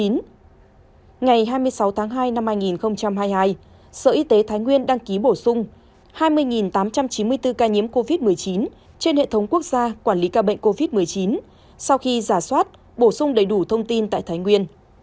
ngày hai mươi sáu tháng hai năm hai nghìn hai mươi hai sở y tế thái nguyên đăng ký bổ sung hai mươi tám trăm chín mươi bốn ca nhiễm covid một mươi chín trên hệ thống quốc gia quản lý ca bệnh covid một mươi chín sau khi giả soát bổ sung đầy đủ thông tin tại thái nguyên